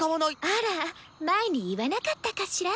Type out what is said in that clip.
あら前に言わなかったかしら？